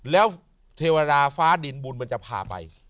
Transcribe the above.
แล้วเทวดาฟ้าดินบุญมันจะพาไป